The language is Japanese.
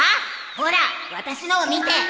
ほら私のを見て！